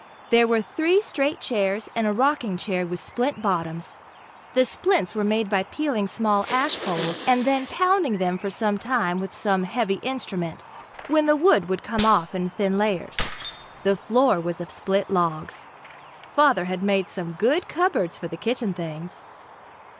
There were three straight chairs and a rocking chair with splint bottoms. The splints were made by peeling small ash poles and then pounding them for some time with some heavy instrument, when the wood would come off in thin layers. The floor was of split logs. Father had made some good cupboards for the kitchen things.